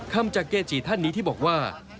คำจากเกจิท่านนี้ที่บอกว่า